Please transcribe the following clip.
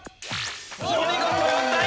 お見事！